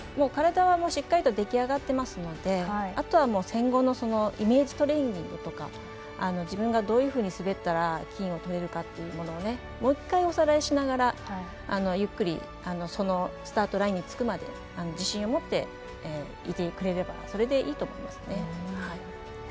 体はしっかりと出来上がっていますのであとは、１５００のイメージトレーニングとか自分がどういうふうに滑ったら金をとれるかっていうものをもう１回、おさらいしながらスタートラインにつくまで自信を持っていてくれればそれでいいと思いますね。